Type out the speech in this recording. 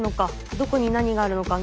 どこに何があるのかね。